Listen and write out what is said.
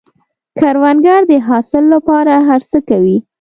کروندګر د حاصل له پاره هر څه کوي